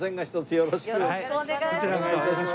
よろしくお願いします。